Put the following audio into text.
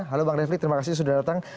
halo bang refli terima kasih sudah datang